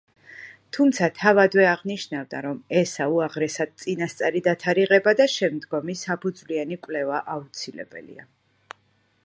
თუმცა თავადვე აღნიშნავდა, რომ ესა უაღრესად წინასწარი დათარიღება და შემდგომი საფუძვლიანი კვლევა აუცილებელია.